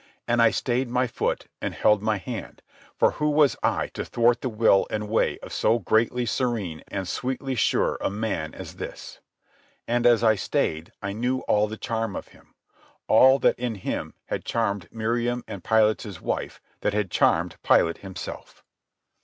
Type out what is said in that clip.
And I stayed my foot, and held my hand, for who was I to thwart the will and way of so greatly serene and sweetly sure a man as this? And as I stayed I knew all the charm of him—all that in him had charmed Miriam and Pilate's wife, that had charmed Pilate himself.